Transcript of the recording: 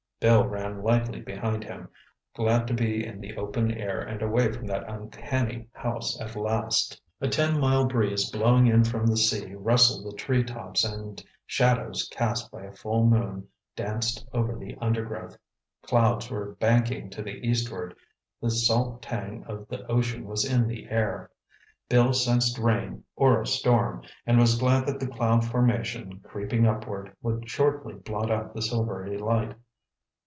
Bill ran lightly behind him, glad to be in the open air and away from that uncanny house at last. A ten mile breeze blowing in from the sea rustled the treetops and shadows cast by a full moon danced over the undergrowth. Clouds were banking to the eastward, the salt tang of the ocean was in the air. Bill sensed rain or a storm and was glad that the cloud formation, creeping upward, would shortly blot out the silvery light.